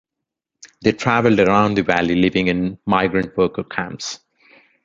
They traveled around the valley living in migrant worker camps.